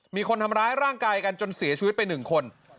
มีคนทำร้ายร่างกายกันจนเสียชีวิตไป๑คน